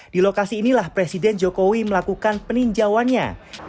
di lokasi inilah presiden jokowi melakukan peninjauannya